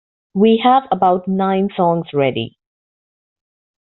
We have about nine songs ready.